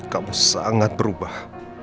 kamu sangat berubah